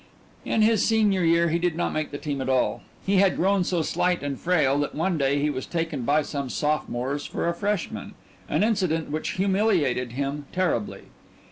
In his senior year he did not make the team at all. He had grown so slight and frail that one day he was taken by some sophomores for a freshman, an incident which humiliated him terribly.